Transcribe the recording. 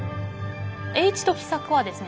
栄一と喜作はですね